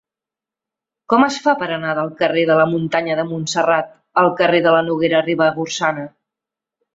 Com es fa per anar del carrer de la Muntanya de Montserrat al carrer de la Noguera Ribagorçana?